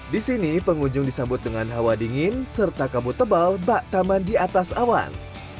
di sini pengunjung disambut dengan hawa dingin serta kabut tebal bak taman di atas awan